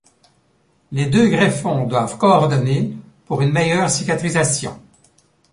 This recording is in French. Les deux greffons doivent coordonner pour une meilleure cicatrisation.